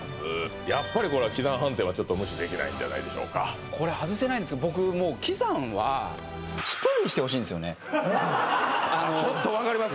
やっぱりこれは喜山飯店はちょっと無視できないんじゃこれ外せないんですけど僕もう喜山はちょっと分かります